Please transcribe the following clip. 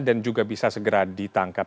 dan juga bisa segera ditangkap